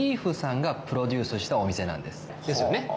Ｌｅａｆさんがプロデュースしたお店なんですですよね？